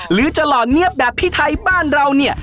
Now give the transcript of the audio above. หรือจะหล่อเงียบแบบพี่ไทยบ้านเราเนี่ย